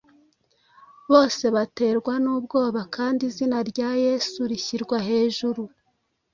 Bose baterwa n’ubwoba, kandi izina rya Yesu rishyirwa hejuru.”.